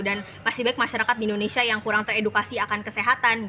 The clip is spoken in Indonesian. dan masih baik masyarakat di indonesia yang kurang teredukasi akan kesehatan